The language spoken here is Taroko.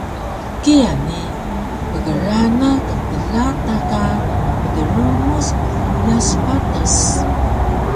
kiya ni pgrana knkla ta ka mdrumuc meuyas patas